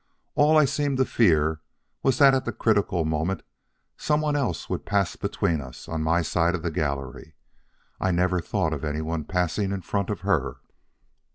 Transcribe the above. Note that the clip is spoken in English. All I seemed to fear was that at the critical moment some one would pass between us on my side of the gallery. I never thought of anyone passing in front of her.